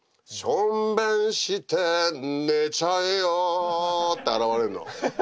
しょんべんして寝ちゃえよって現れるの。